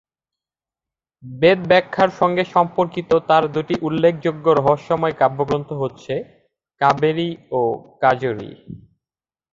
বেদব্যাখ্যার সঙ্গে সম্পর্কিত তাঁর দুটি উল্লেখযোগ্য রহস্যময় কাব্যগ্রন্থ হচ্ছে কাবেরী ও কাজরী।